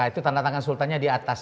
itu tanda tangan sultannya di atas